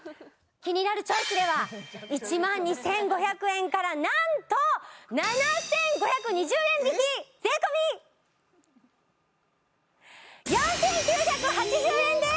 「キニナルチョイス」では１万２５００円からなんと７５２０円引き税込４９８０円です！